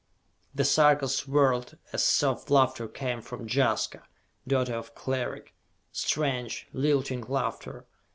The Sarkas whirled as soft laughter came from Jaska, daughter of Cleric. Strange, lilting laughter.